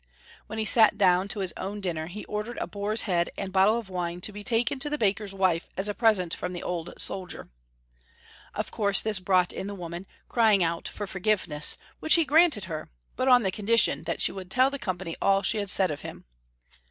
When he sat down to his own Rodolf. 199 dinner he ordered a boar's head and bottle of wine to be taken to the baker's wife as a present from the old soldier. Of course this brought in the woman, crying out for forgiveness, which he grant ed her, but on condition that she would tell the company all she had said of him.